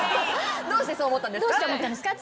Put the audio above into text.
「どうしてそう思ったんですか？」